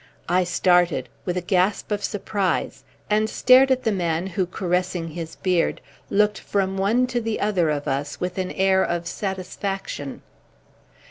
I started, with a gasp of surprise, and stared at the man who, caressing his beard, looked from one to the other of us with an air of satisfaction.